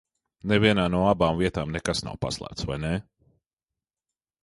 Nevienā no abām vietām nekas nav paslēpts, vai ne?